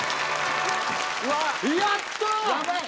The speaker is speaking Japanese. やった！